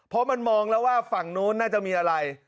เพราะมันมองแล้วว่าฝั่งนู้นน่าจะมีอะไร